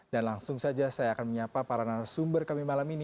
dan langsung saja saya akan menyapa para narasumber kami malam ini